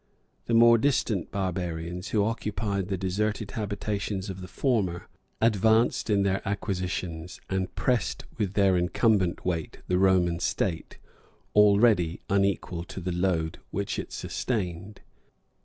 The more distant barbarians, who occupied the deserted habitations of the former, advanced in their acquisitions, and pressed with their incumbent weight the Roman state, already unequal to the load which it sustained.